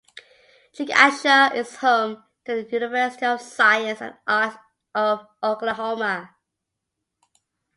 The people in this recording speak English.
Chickasha is home to the University of Science and Arts of Oklahoma.